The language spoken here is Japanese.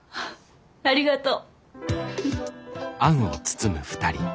ありがとう！